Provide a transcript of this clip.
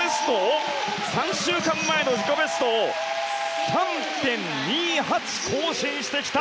３週間前の自己ベストを３．２８更新してきた！